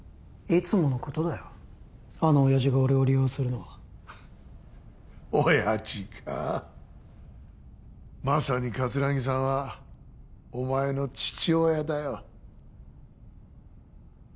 いつものことだよあの親爺が俺を利用するのは親爺かまさに桂木さんはお前の父親だよ